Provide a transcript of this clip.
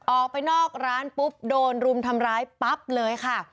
ออกไปนอกร้านปุ๊บโดนรุมทำร้ายปั๊บเลยค่ะ